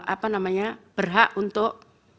apa namanya berhak untuk